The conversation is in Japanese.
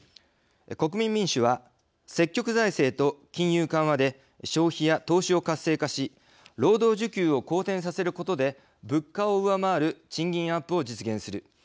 国民民主は積極財政と金融緩和で消費や投資を活性化し労働需給を好転させることで物価を上回る賃金アップを実現する。